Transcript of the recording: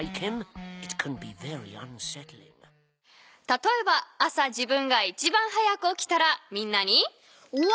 たとえば朝自分が一番早く起きたらみんなに。